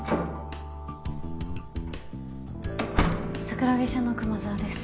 桜木署の熊沢です。